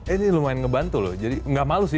ini lumayan ngebantu loh jadi gak malu sih